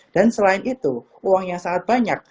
dan selain itu uang yang sangat banyak